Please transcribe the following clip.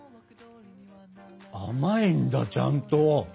甘いんだちゃんと。